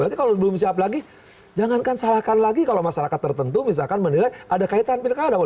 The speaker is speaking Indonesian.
berarti kalau belum siap lagi jangankan salahkan lagi kalau masyarakat tertentu misalkan menilai ada kaitan pilkada